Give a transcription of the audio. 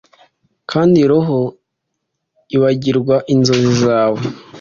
Kandi roho ibagirwa inzozi zawe